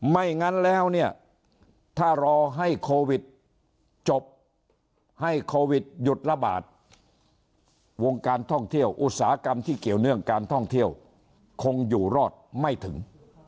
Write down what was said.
ไม่งั้นแล้วเนี่ยถ้ารอให้โควิดจบให้โควิดหยุดระบาดวงการท่องเที่ยวอุตสาหกรรมที่เกี่ยวเนื่องการท่องเที่ยวคงอยู่รอดไม่ถึง